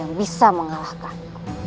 yang bisa mengalahkan